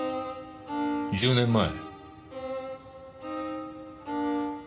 １０年前？